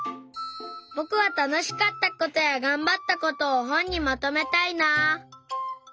ぼくはたのしかったことやがんばったことをほんにまとめたいな。